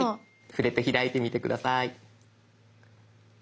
触れて開いてみて下さい。